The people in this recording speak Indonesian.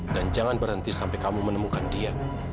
dan jangan berhenti sampai kamu menemukan dia